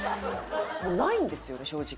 もうないんですよね正直。